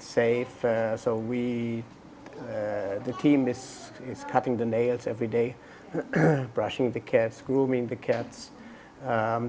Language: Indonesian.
jadi kami selalu menutup jari jari kucing mencari kucing mencari kucing